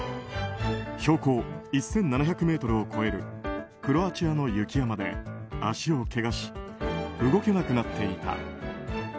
標高１７００ｍを超えるクロアチアの雪山で足をけがし動けなくなっていた。